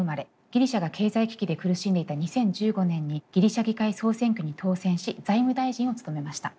ギリシャが経済危機で苦しんでいた２０１５年にギリシャ議会総選挙に当選し財務大臣を務めました。